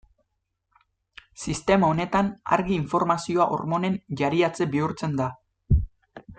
Sistema honetan, argi informazioa hormonen jariatze bihurtzen da.